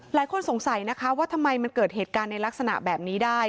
หลายคนสงสัยนะคะว่าทำไมมันเกิดเหตุการณ์ในลักษณะแบบนี้ได้